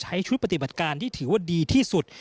ใช้ชุดปฏิบัติการที่ถือว่าดีที่สุด